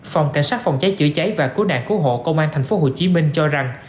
phòng cảnh sát phòng cháy chữa cháy và cứu nạn cứu hộ công an tp hcm cho rằng